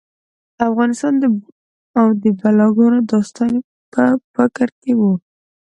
افغانستان او د بلاګانو داستان یې په فکر کې و.